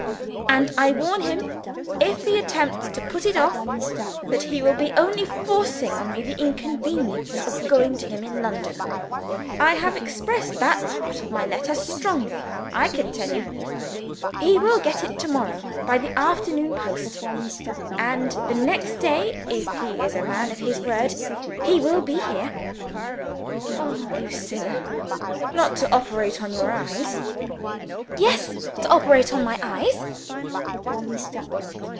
And I warn him, if he attempts to put it off, that he will be only forcing on me the inconvenience of going to him in London. I have expressed that part of my letter strongly I can tell you! He will get it to morrow, by the afternoon post. And the next day if he is a man of his word he will be here." "Oh, Lucilla! not to operate on your eyes?" "Yes to operate on my eyes!"